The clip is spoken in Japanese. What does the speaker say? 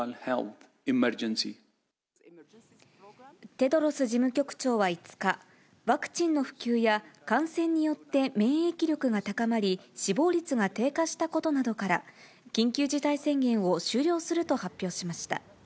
テドロス事務局長は５日、ワクチンの普及や感染によって免疫力が高まり、死亡率が低下したことなどから、緊急事態宣言を終了すると発表しました。